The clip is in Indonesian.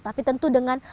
tapi tentu dengan